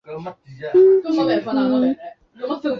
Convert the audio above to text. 沃达丰